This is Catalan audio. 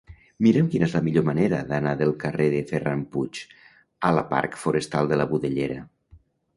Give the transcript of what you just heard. Mira'm quina és la millor manera d'anar del carrer de Ferran Puig a la parc Forestal de la Budellera.